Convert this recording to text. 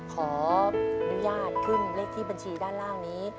ขออนุญาตขึ้นเลขที่บัญชีด้านล่างนี้